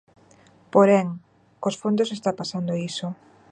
Porén, cos fondos está pasando iso.